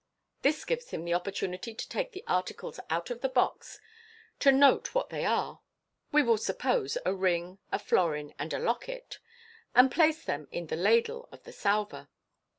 This gives him the opportunity to take the articles out of the box, to note what they are (we will suppose a ring, a florin, and a locket), and place them in the "ladle" of the salver.